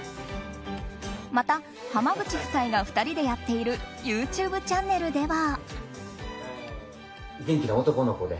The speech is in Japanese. また、濱口夫妻が２人でやっているＹｏｕＴｕｂｅチャンネルでは。